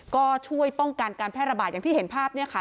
ก็ช่วยป้องกันการแพร่ระบาดอย่างที่เห็นภาพเนี่ยค่ะ